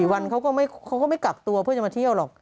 วันเขาก็ไม่กักตัวเพื่อจะมาเที่ยวหรอก